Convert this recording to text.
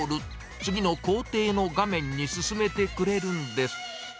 次の工程の画面に進めてくれるんです。